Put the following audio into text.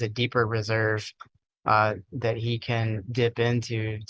dan dia memiliki penyelamat yang lebih dalam